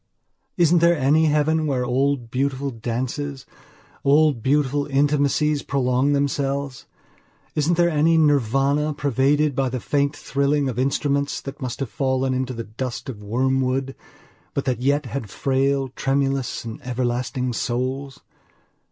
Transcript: Isn't there any heaven where old beautiful dances, old beautiful intimacies prolong themselves? Isn't there any Nirvana pervaded by the faint thrilling of instruments that have fallen into the dust of wormwood but that yet had frail, tremulous, and everlasting souls?